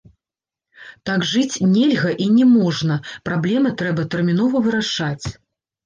Так жыць нельга і не можна, праблемы трэба тэрмінова вырашаць.